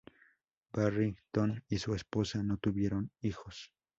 Barrington y su esposa no tuvieron hijos.